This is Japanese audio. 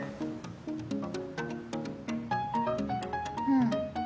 うん。